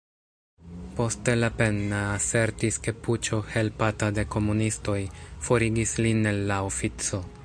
Poste Lapenna asertis ke "puĉo", helpata de komunistoj, forigis lin el la ofico.